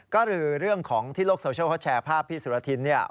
ก็หรือเรื่องที่โลกโซเชียลเขาแชร์ภาพพี่สุรทิน